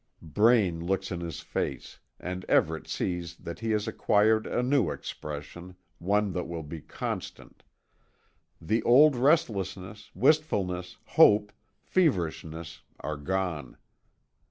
Braine looks in his face, and Everet sees that he has acquired a new expression, one that will be constant. The old restlessness, wistfulness, hope, feverishness are gone.